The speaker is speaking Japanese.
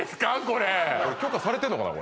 これ許可されてんのかな？